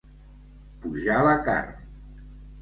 Pujar la carn.